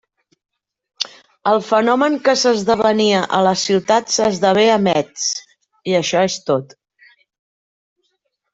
El fenomen que s'esdevenia a la ciutat s'esdevé a Metz, i això és tot.